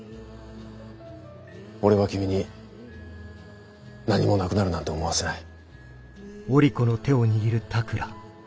俺は君に何もなくなるなんて思わせない。